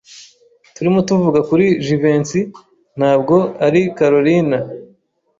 Turimo tuvuga kuri Jivency, ntabwo ari Kalorina.